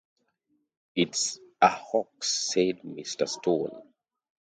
"It's a hoax," said Mr. Stone.